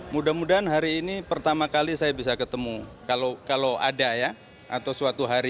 mudah mudahan hari ini pertama kali saya bisa ketemu kalau kalau ada ya atau suatu hari